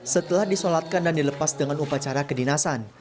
setelah disolatkan dan dilepas dengan upacara kedinasan